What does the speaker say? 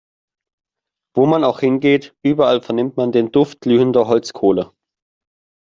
Wo man auch hingeht, überall vernimmt man den Duft glühender Holzkohle.